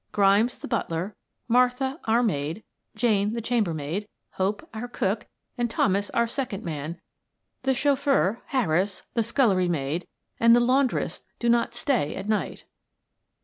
"Grimes, the butler; Martha, our maid; Jane, the chambermaid; Hope, our cook; and Thomas, our second man; the chauffeur, Harris, the scullery maid, and the laundress do not stay at night."